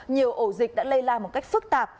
nhiều ổ dịch đã lây lan một cách phức tạp